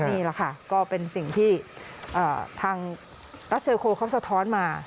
นี่แหละค่ะก็เป็นสิ่งที่ทางรัสเซลโคเขาสะท้อนมา